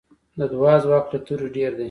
د دعا ځواک له توره ډېر دی.